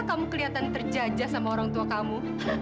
kamu kelihatan terjajah sama orang tua kamu